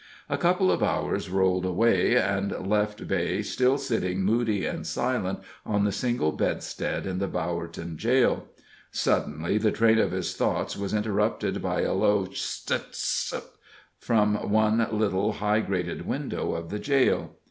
A couple of hours rolled away, and left Beigh still sitting moody and silent on the single bedstead in the Bowerton jail. Suddenly the train of his thoughts was interrupted by a low "stt stt" from the one little, high, grated window of the jail.